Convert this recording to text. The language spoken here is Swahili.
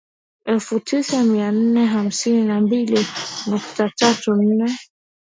elfu tisa mia nne hamsini na mbili nukta tatu nne